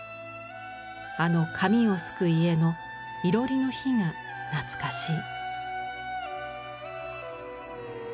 あの紙を漉く家のいろりの火が懐かしい。